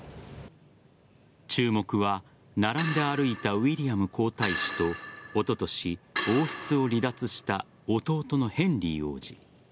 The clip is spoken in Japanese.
注目は並んで歩いたウィリアム皇太子とおととし王室を離脱した弟のヘンリー王子。